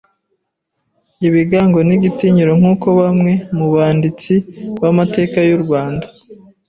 ibigango n’igitinyiro nk’uko bamwe mu banditsi b’amateka y’u Rwanda